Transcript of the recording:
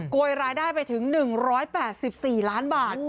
วยรายได้ไปถึง๑๘๔ล้านบาท